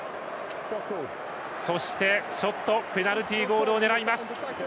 ショット、ペナルティーゴールを狙います。